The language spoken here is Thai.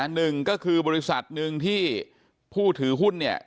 หนึ่งก็คือบริษัทหนึ่งที่ผู้ถือหุ้นเนี่ย